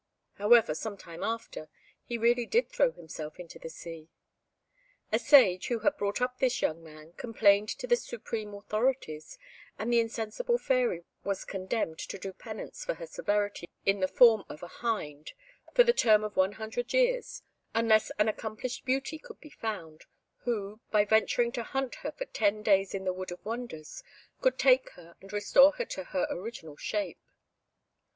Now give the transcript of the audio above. However, some time after, he really did throw himself into the sea. A sage, who had brought up this young man, complained to the supreme authorities, and the insensible Fairy was condemned to do penance for her severity in the form of a hind, for the term of one hundred years, unless an accomplished beauty could be found, who, by venturing to hunt her for ten days in the Wood of Wonders, could take her and restore her to her original shape.